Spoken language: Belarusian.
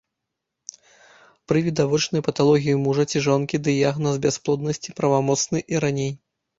Пры відавочнай паталогіі мужа ці жонкі дыягназ бясплоднасці правамоцны і раней.